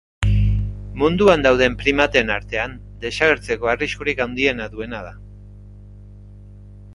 Munduan dauden primateen artean desagertzeko arriskurik handiena duena da.